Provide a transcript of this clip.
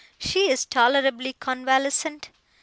'She is tolerably convalescent.